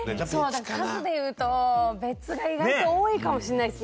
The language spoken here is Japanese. だから数で言うと別が意外と多いかもしれないですね。